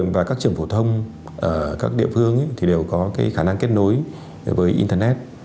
và các trường phổ thông ở các địa phương thì đều có khả năng kết nối với internet